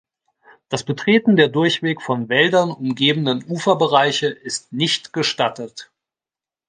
Das Betreten der durchweg von Wäldern umgebenen Uferbereiche ist nicht gestattet.